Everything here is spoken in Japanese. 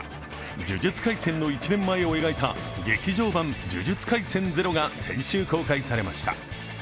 「呪術廻戦」の１年前を描いた「劇場版呪術廻戦０」が先週、公開されました。